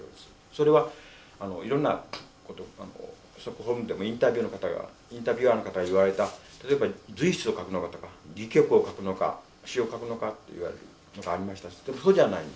それはいろんなことストックホルムでもインタビュアーの方が言われた例えば随筆を書くのかとか戯曲を書くのか詩を書くのかと言われるのがありましたしでもそうじゃないんです。